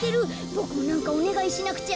ボクもなんかおねがいしなくちゃ。